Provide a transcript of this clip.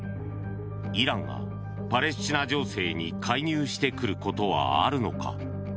イランがパレスチナ情勢に介入してくることはあるのか？